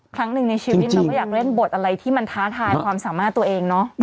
ครั้งหนึ่งในชีวิตเราก็อยากเล่นบทอะไรที่มันท้าทายความสามารถตัวเองเนาะ